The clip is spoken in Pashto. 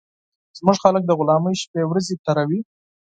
زموږ خلک د غلامۍ شپې ورځي تېروي